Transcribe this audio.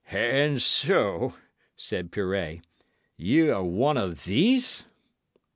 "And so," said Pirret, "y' are one of these?"